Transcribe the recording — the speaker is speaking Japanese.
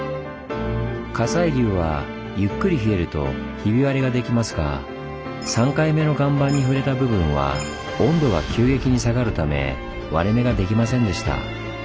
火砕流はゆっくり冷えるとひび割れができますが３回目の岩盤に触れた部分は温度が急激に下がるため割れ目ができませんでした。